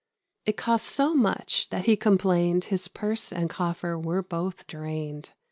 It cost so much, that he complained His purse and coffer were both drained.